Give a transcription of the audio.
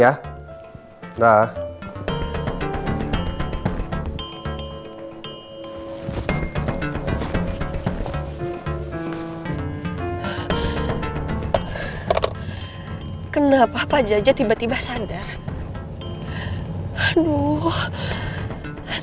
ya nah kenapa aja tiba tiba sandara aduh nanti aja belum jelas